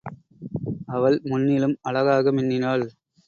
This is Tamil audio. அவள் முன்னிலும் அழகாக மின்னினாள்.